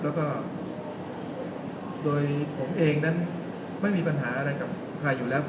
แล้วก็โดยผมเองนั้นไม่มีปัญหาอะไรกับใครอยู่แล้ว